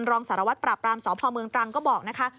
รองสารวัตรปราบรามสพเมืองตรังก็บอกนะคะ